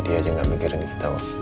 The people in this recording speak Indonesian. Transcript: dia aja gak mikirin kita wak